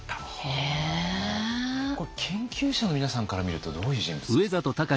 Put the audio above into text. これ研究者の皆さんから見るとどういう人物ですか？